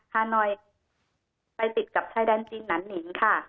ฮานอยไปติดกับชายแดนจีนหนานหนิงค่ะ